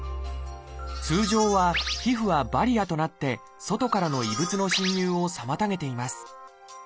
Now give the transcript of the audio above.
通常は皮膚はバリアとなって外からの異物の侵入を妨げています。